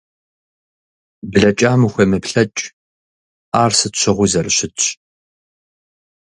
Блэкӏам ухуемыплъэкӏ, ар сыт щыгъуи зэрыщытщ.